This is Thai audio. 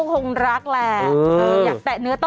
โอ้โหโอ้โหโอ้โหโอ้โหโอ้โหโอ้โหโอ้โห